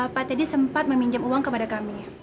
pak teddy sempat meminjam uang kepada kami